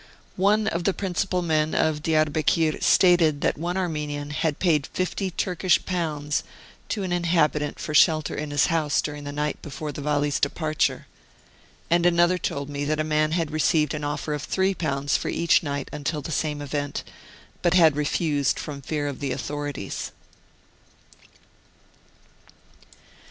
One of the principal men of Diarbekir stated that one Armenian had paid fifty Turkish pounds to an inhabitant for shelter in his house during the night before the Vali's departure, and another told me that a man had received an offer of three pounds for each night until the same event, but had refused from fear of the authorities.